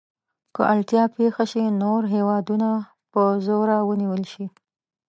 که اړتیا پېښه شي نور هېوادونه په زوره ونیول شي.